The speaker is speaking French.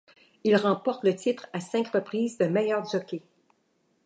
Il remporte le titre à cinq reprises de meilleur jockey.